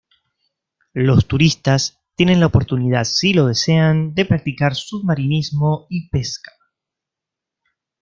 Los turistas tienen la oportunidad si lo desean de practicar submarinismo y pesca.